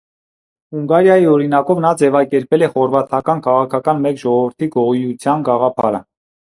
Հունգարիայի օրինակով նա ձևակերպել է «խորվաթական քաղաքական մեկ ժողովրդի» գոյության գաղափարը։